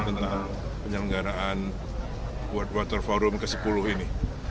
tentang penyelenggaraan world water forum ke sepuluh ini